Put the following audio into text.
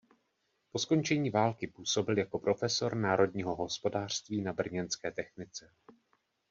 Po skončení války působil jako profesor národního hospodářství na brněnské technice.